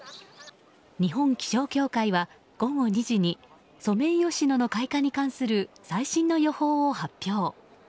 日本気象協会は午後２時にソメイヨシノの開花に関する最新の予報を発表。